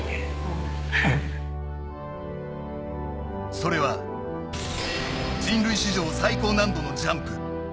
それは人類史上最高難度のジャンプ。